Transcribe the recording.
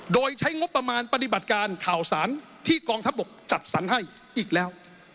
โดยใช้งบประมาณปฏิบัติการข่าวสารที่กองทัพบกจัดสรรให้อีกแล้ว